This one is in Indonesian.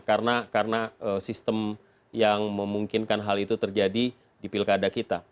karena sistem yang memungkinkan hal itu terjadi di pilkada kita